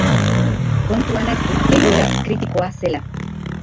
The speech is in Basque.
Kontuan hartu egoera kritikoa zela.